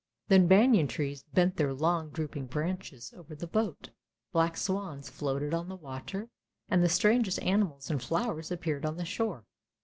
Then banian trees bent their long droop ing branches over the boat, black swans floated on the water, and the strangest animals and flowers appeared on the shore.